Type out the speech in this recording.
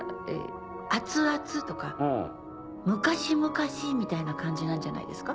「熱々」とか「昔々」みたいな感じなんじゃないですか？